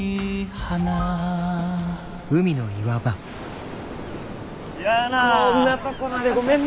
こんなとこまでごめんな。